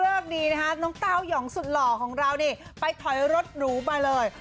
วันนี้เริ่มนี้น้องเต้ายองสุดหล่อของเราไปถอยรถหรูมาเลย